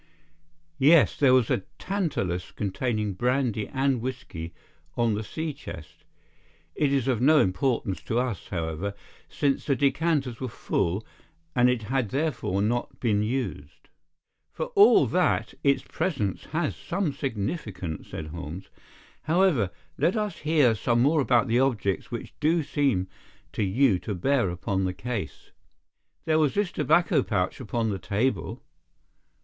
"Yes, there was a tantalus containing brandy and whisky on the sea chest. It is of no importance to us, however, since the decanters were full, and it had therefore not been used." "For all that, its presence has some significance," said Holmes. "However, let us hear some more about the objects which do seem to you to bear upon the case." "There was this tobacco pouch upon the table."